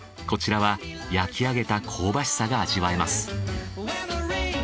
こちらは焼き上げた香ばしさが味わえます。